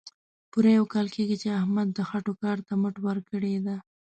پوره یو کال کېږي، چې احمد د خټو کار ته مټ ورکړې ده.